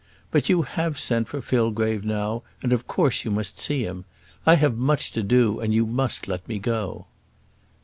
But you have sent for Fillgrave now; and of course you must see him. I have much to do, and you must let me go."